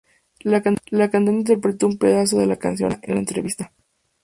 La cantante interpretó un pedazo de la canción a capella en la entrevista.